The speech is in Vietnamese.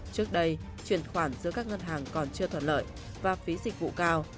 trước đây truyền khoản giữa các ngân hàng còn chưa thuận lợi và phí dịch vụ cao